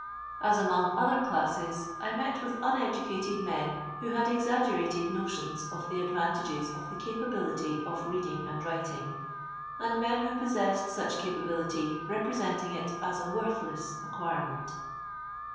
As among other classes, I met with uneducated men who had exaggerated notions of ihe advantages of the capability of reading and writing, and men who possessed such capa bility representing it as a worthless acquirement.